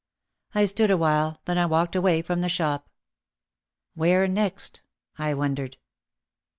I stood a while, then I walked away from the shop. "Where next," I wondered.